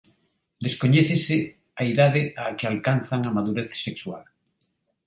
Descoñécese a idade á que alcanzan a madurez sexual.